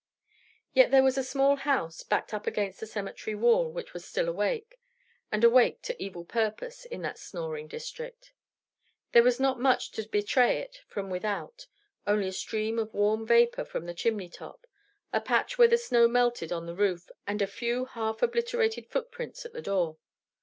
Yet there was a small house, backed up against the cemetery wall, which was still awake, and awake to evil purpose, in that snoring district. There was not much to betray it from without; only a stream of warm vapor from the chimney top, a patch where the snow melted on the roof, and a few half obliterated footprints at the door.